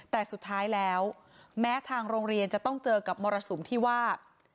แต่สุดท้ายแล้วแม้ทางโรงเรียนจะต้องเจอกับมรสุมที่ว่า